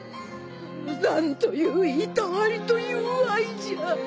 何といういたわりと友愛じゃ。